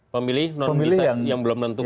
pemilih non bisa yang belum menentukan